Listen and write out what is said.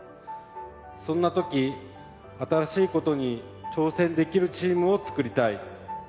そんな時、新しいことに挑戦できるチームを作りたい。